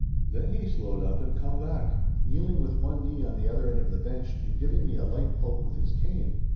Then he slowed up and come back, kneeling with one knee on the other end of the bench and giving me a light poke with his cane.